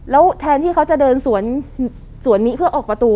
แล้วแทนที่เขาจะเดินสวนสวนนี้เพื่อออกประตู